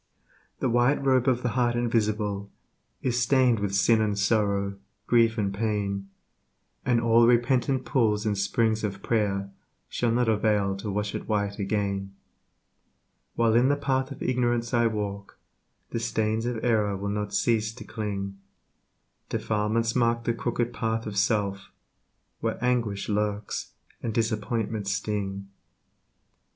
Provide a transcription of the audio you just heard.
The White Robe of the Heart Invisible Is stained with sin and sorrow, grief and pain, And all repentant pools and springs of prayer Shall not avail to wash it white again. While in the path of ignorance I walk, The stains of error will not cease to cling Defilements mark the crooked path of self, Where anguish lurks and disappointments sting.